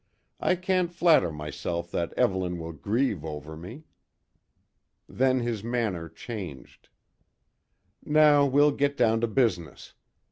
"I can't flatter myself that Evelyn will grieve over me." Then his manner changed. "Now we'll get down to business.